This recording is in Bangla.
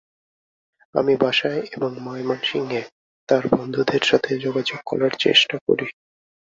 আমি বাসায় এবং ময়মনসিংহে তার বন্ধুদের সাথে যোগাযোগ করার চেষ্টা করি।